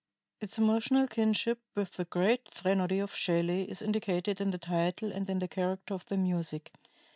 Its emotional kinship with the great threnody of Shelley is indicated in the title and in the character of the music.